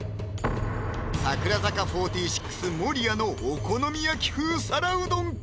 「櫻坂４６」・守屋のお好み焼き風皿うどんか？